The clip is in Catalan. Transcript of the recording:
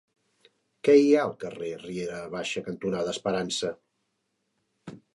Què hi ha al carrer Riera Baixa cantonada Esperança?